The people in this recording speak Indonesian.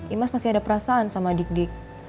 imas masih ada perasaan sama dik dik